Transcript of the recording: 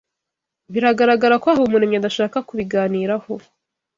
Biragaragara ko Habumuremyi adashaka kubiganiraho